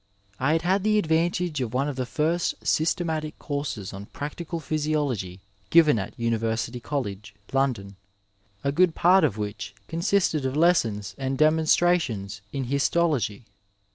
I had had the advantage of one of the first systematic courses on practical physiology given at University College, London, a good part of which consisted of lessons and demonstra tions in histology.